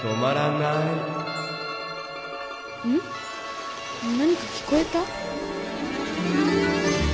何か聞こえた？